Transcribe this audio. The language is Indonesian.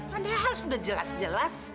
padahal sudah jelas jelas